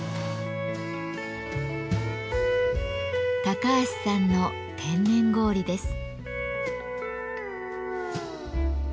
高橋さんの天然氷です。